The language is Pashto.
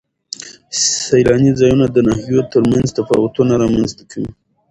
سیلاني ځایونه د ناحیو ترمنځ تفاوتونه رامنځ ته کوي.